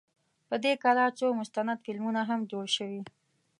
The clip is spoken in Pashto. په دې کلا څو مستند فلمونه هم جوړ شوي.